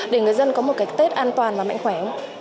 để người dân có một cái tết an toàn và mạnh khỏe